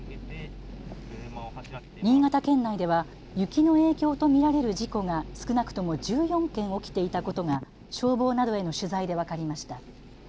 新潟県内では雪の影響と見られる事故が少なくとも１４件起きていたことが消防などへの取材で分かりました。